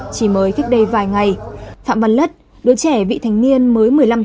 chỉ mới cách đây vài ngày phạm văn lất đứa trẻ vị thành niên mới một mươi năm tuổi